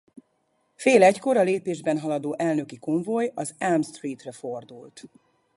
Fél egykor a lépésben haladó elnöki konvoj az Elm Streetre fordult.